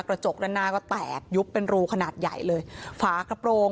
กระจกด้านหน้าก็แตกยุบเป็นรูขนาดใหญ่เลยฝากระโปรง